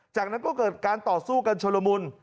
จากนั้นก็เกิดการต่อสู้กันชนละมุน